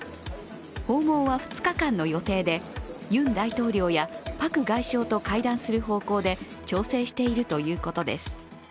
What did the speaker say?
訪問は２日間の予定でユン大統領やパク外相と会談する方向で調整しているということです。